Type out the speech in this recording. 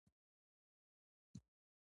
د جوارو دانه د چرګانو لپاره ده.